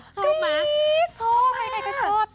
ชอบมั้ยกรี๊ดชอบให้ใครก็ชอบ